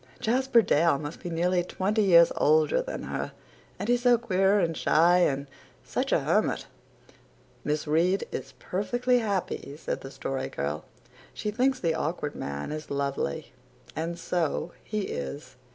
Jasper Dale must be nearly twenty years older than her and he's so queer and shy and such a hermit." "Miss Reade is perfectly happy," said the Story Girl. "She thinks the Awkward Man is lovely and so he is.